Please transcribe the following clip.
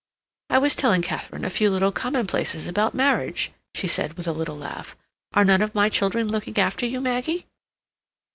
"I was telling Katharine a few little commonplaces about marriage," she said, with a little laugh. "Are none of my children looking after you, Maggie?"